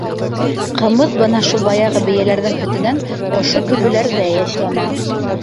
Ҡымыҙ бына шул баяғы бейәләрҙең һөтөнән ошо көбөләрҙә эшләнә.